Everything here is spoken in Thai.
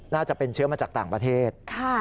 น่าจะเป็นเชื้อมาจากต่างประเทศ